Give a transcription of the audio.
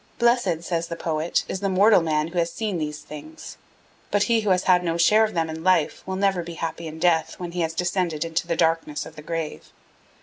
Blessed, says the poet, is the mortal man who has seen these things, but he who has had no share of them in life will never be happy in death when he has descended into the darkness of the grave.